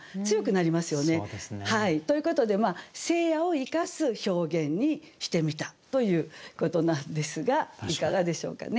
そうですね。ということで「聖夜」を生かす表現にしてみたということなんですがいかがでしょうかね？